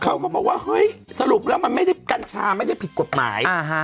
เขาก็บอกว่าเฮ้ยสรุปแล้วมันไม่ได้กัญชาไม่ได้ผิดกฎหมาย